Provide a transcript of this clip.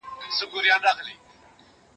يار تر کوڅه تېر که، رنگ ئې هېر که.